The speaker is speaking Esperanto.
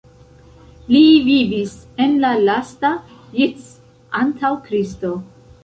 Li vivis en la lasta jc antaŭ Kristo.